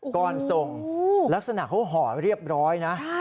ก่อนส่งลักษณะเขาห่อเรียบร้อยนะ